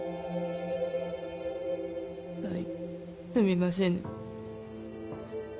あいすみませぬ。